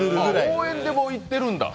応援でも行っているんだ。